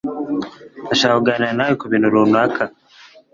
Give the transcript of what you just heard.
Ndashaka kuganira nawe kubintu runaka.